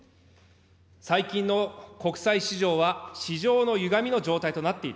最近の国債市場は、市場のゆがみの状態となっている。